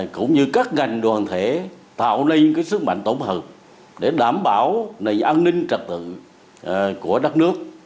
cũng như các ngành đoàn thể tạo nên sức mạnh tổng hợp để đảm bảo nền an ninh trật tự của đất nước